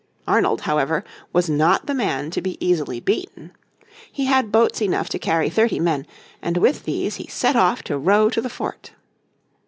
Arnold, however, was not the man to be easily beaten. He had boats enough to carry thirty men, and with these he set off to row to the fort.